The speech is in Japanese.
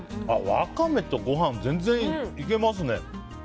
ワカメとご飯、全然いけますね。